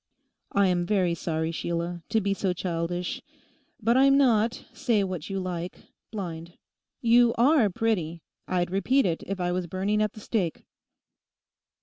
'I am very sorry, Sheila, to be so childish. But I'm not, say what you like, blind. You are pretty: I'd repeat it if I was burning at the stake.